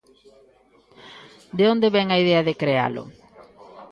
De onde vén a idea de crealo?